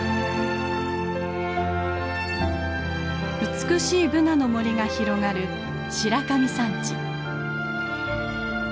美しいブナの森が広がる白神山地。